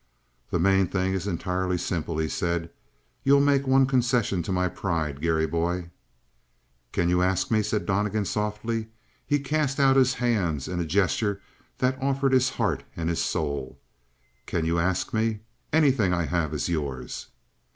"The main thing is entirely simple," he said. "You'll make one concession to my pride, Garry, boy?" "Can you ask me?" said Donnegan softly, and he cast out his hands in a gesture that offered his heart and his soul. "Can you ask me? Anything I have is yours!"